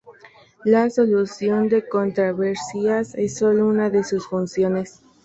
La solución de controversias es sólo una de sus funciones.